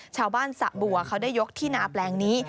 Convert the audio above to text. สะบัวเขาได้ยกที่นาแปลงนี้